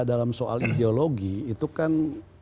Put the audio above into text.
dalam soal ideologi itu kan